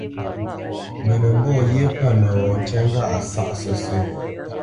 Mə nə́ mbɔ́ ghyé pə̂ nəwɔ̌ ntyá ŋgâʼ a sáʼ sə́sə̄.